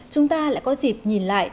chúng ta lại có dịp nhìn lại